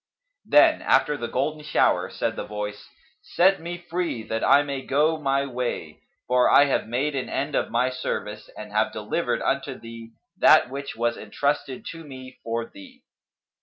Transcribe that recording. Then, after the golden shower, said the Voice, "Set me free, that I may go my way; for I have made an end of my service and have delivered unto thee that which was entrusted to me for thee."